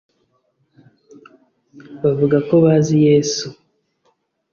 Bavuga ko bazi Yesu